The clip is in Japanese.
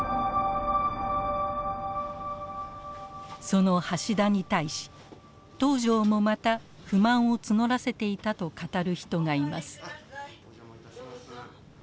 その橋田に対し東條もまた不満を募らせていたと語る人がいます。